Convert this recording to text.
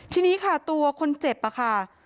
ทีนี้ค่ะตัวคนเจ็บค่ะ